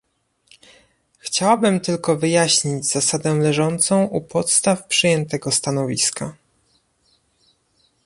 Chciałabym tylko wyjaśnić zasadę leżącą u podstaw przyjętego stanowiska